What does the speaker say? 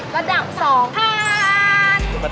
ระดับ๒ผ่าน